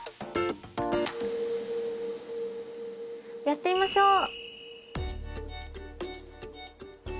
やってみましょう。